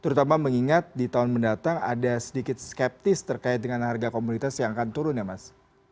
terutama mengingat di tahun mendatang ada sedikit skeptis terkait dengan harga komoditas yang akan turun ya mas